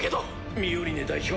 ミオリネ代表